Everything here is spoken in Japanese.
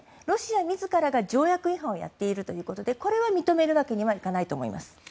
ロシア自らが条約違反をやっているということでこれは認めるわけにはいかないと思います。